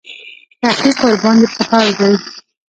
تحقیق ورباندې په کار دی.